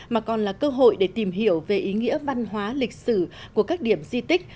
mà còn là cơ hội để tìm hiểu về ý nghĩa văn hóa lịch sử của các điểm di tích